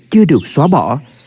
chưa được xóa bỏ